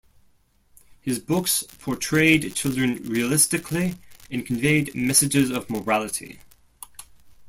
His books portrayed children realistically and conveyed messages of morality.